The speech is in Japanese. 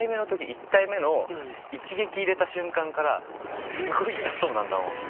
１体目の一撃入れた瞬間からすごい痛そうなんだもん。